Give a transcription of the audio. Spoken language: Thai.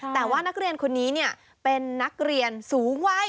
แต่ว่านักเรียนคนนี้เป็นนักเรียนสูงวัย